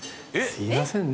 すいませんね